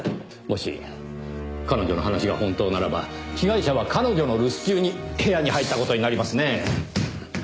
もし彼女の話が本当ならば被害者は彼女の留守中に部屋に入った事になりますねぇ。